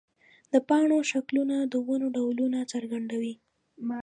د پاڼو شکلونه د ونو ډولونه څرګندوي.